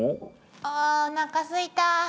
ああおなかすいた！